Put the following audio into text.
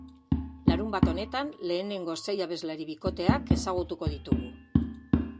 Larunbat honetan lehenengo sei abeslari bikoteak ezagutuko ditugu.